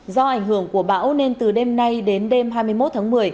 do ảnh hưởng của bão nên từ đêm nay đến đêm hai mươi một tháng một mươi